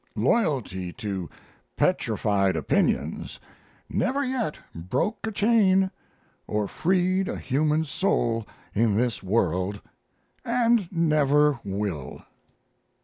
Loyalty to petrified opinions never yet broke a chain or freed a human soul in this world end never will.